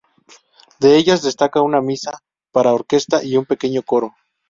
De ellas, destaca una "Misa", para orquesta y un pequeño coro.